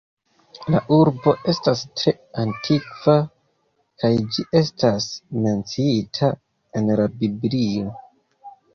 La urbo estas tre antikva, kaj ĝi estas menciita en la Biblio.